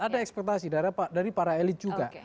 ada ekspektasi dari para elit juga